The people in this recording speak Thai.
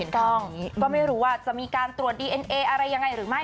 ถูกต้องก็ไม่รู้ว่าจะมีการตรวจดีเอ็นเออะไรยังไงหรือไม่